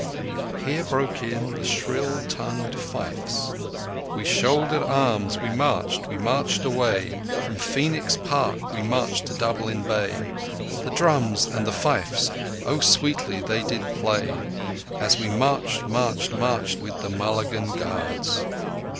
Here broke in the shrill tongued fifes: We shouldered arms, We marched—we marched away. From Phœnix Park We marched to Dublin Bay. The drums and the fifes, Oh, sweetly they did play, As we marched—marched—marched—with the Mulligan Guards!